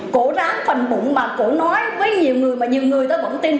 cổ rám phành bụng mà cổ nói với nhiều người mà nhiều người ta bỗng tin